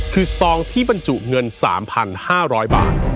คือซองที่บรรจุเงิน๓๕๐๐บาท